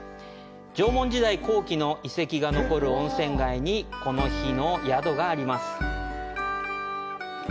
縄文時代後期の遺跡が残る温泉街にこの日の宿があります。